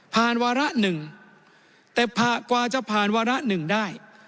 วาระหนึ่งแต่กว่าจะผ่านวาระหนึ่งได้